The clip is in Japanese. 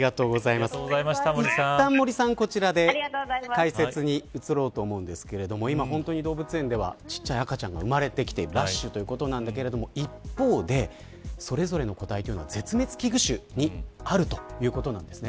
いったん、こちらで解説に戻ろうと思うんですけど今、動物園では小さい赤ちゃんが生まれてきてラッシュということですが一方でそれぞれの個体というのは絶滅危惧種にあるということなんです。